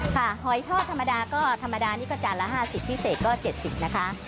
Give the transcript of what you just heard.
ค่ะหอยทอดธรรมดาก็ธรรมดานี้ก็จานละห้าสิบพิเศษก็เจ็ดสิบนะคะ